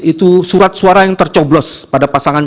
itu surat suara yang tercoblos pada pasangan